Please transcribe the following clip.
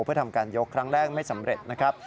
เพื่อทำการยกครั้งแรกไม่สำเร็จนะครับ